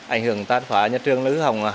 ảnh hưởng tan phá nhà trường lữ hồng